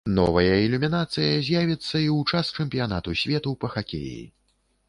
Новая ілюмінацыя з'явіцца і ў час чэмпіянату свету па хакеі.